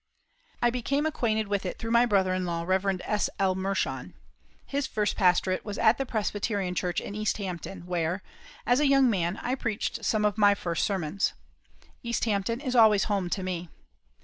I became acquainted with it through my brother in law, Rev. S.L. Mershon. His first pastorate was at the Presbyterian Church in East Hampton, where, as a young man, I preached some of my first sermons. East Hampton is always home to me.